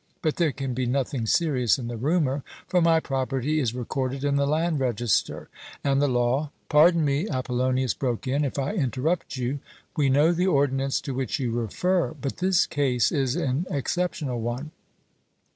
But there can be nothing serious in the rumour, for my property is recorded in the land register, and the law " "Pardon me," Apollonius broke in, "if I interrupt you. We know the ordinance to which you refer, but this case is an exceptional one.